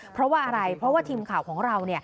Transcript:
เพราะว่าเรารวมด้วยทีมข่าวของเรา